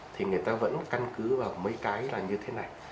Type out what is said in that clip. thì người ta vẫn căn cứ vào mấy cái là như thế này